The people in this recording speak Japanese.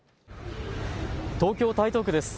東京台東区です。